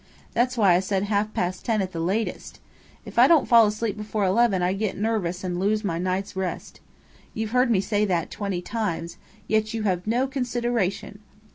That's why I said half past ten at latest! If I don't fall asleep before eleven I get nervous and lose my night's rest. You've heard me say that twenty times, yet you have no consideration!"